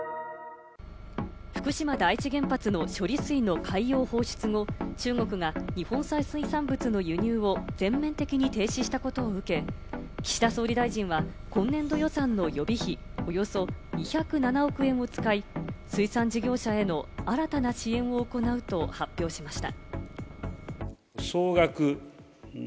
福島第一原発の処理水の海洋放出後、中国が日本産水産物の輸入を全面的に停止したことを受け、岸田総理大臣は今年度予算の予備費、およそ２０７億円を使い、水産事業者への新たな支援を行うと発表しました。